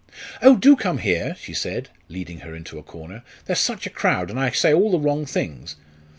"Oh, do come here!" she said, leading her into a corner. "There's such a crowd, and I say all the wrong things.